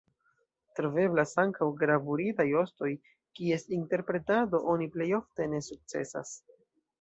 Troveblas ankaŭ gravuritaj ostoj, kies interpretado oni plej ofte ne sukcesas.